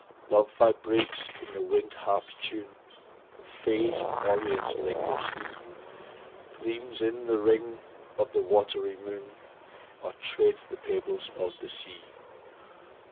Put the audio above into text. Love vibrates in the wind harp s tune With fays and oreads lingers he Gleams in th ring of the watery moon, Or treads the pebbles of the sea.